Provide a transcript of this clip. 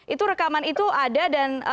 itu rekaman itu ada dan